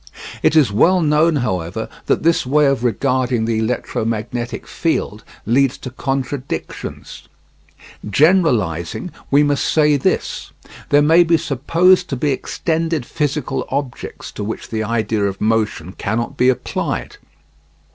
It is well known, however, that this way of regarding the electromagnetic field leads to contradictions. Generalising we must say this: There may be supposed to be extended physical objects to which the idea of motion cannot be applied.